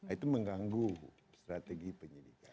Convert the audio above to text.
itu mengganggu strategi penyelidikan